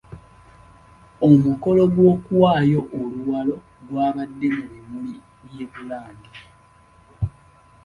Omukolo gw'okuwaayo oluwalo gwabadde mu bimuli bya Bulange.